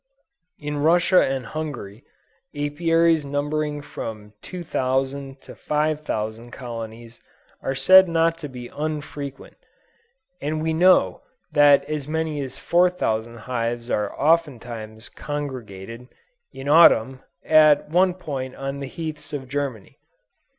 In Russia and Hungary, Apiaries numbering from 2000 to 5000 colonies are said not to be unfrequent; and we know that as many as 4000 hives are oftentimes congregated, in Autumn, at one point on the heaths of Germany.